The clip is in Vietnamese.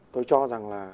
tôi cho rằng là